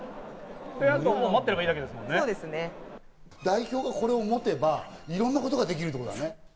代表がこれを持てばいろんなことができるってことだね。